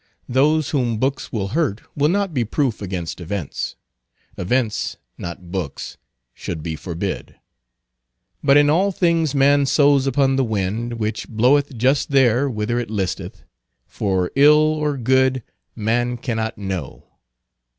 Those whom books will hurt will not be proof against events. Events, not books, should be forbid. But in all things man sows upon the wind, which bloweth just there whither it listeth; for ill or good, man cannot know.